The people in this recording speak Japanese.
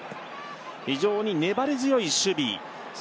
非常に粘り強い守備。